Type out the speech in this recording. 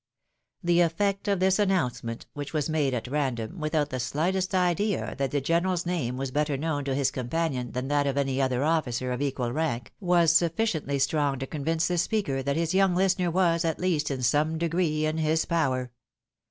The effect of this annoimcement, which was made at random, without the shghtest idea that the general's name was better known to his companion than that of any other officer of equal rank, was sufficiently strong to convince the speaker that his young Hstener was, at least, in some degree in his power.